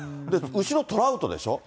後ろトラウトでしょ。